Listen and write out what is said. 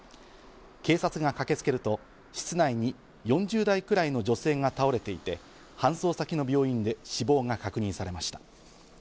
警察が駆けつけると室内に４０代くらいの女性が倒れていて、搬送先の病院で死亡が確認されました。